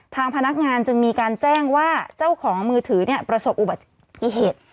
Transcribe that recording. ทางพนักงานจึงมีการแจ้งว่าเจ้าของมือถือประสบอุบัติเหตุ